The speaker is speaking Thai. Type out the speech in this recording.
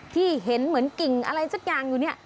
ที่เห็นเหมือนกิ่งอะไรสักอย่างอยู่เนี่ย